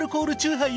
ハイ！